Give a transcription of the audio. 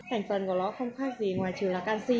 thành phần của nó không khác gì ngoài trừ là canxi